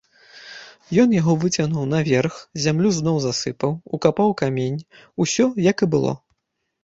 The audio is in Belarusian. Ён яго выцягнуў наверх, зямлю зноў засыпаў, укапаў камень, усё, як і было.